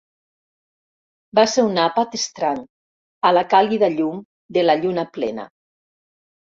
Va ser un àpat estrany, a la càlida llum de la lluna plena.